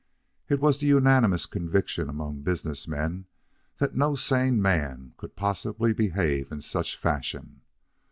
It was the unanimous conviction among business men that no sane man could possibly behave in such fashion.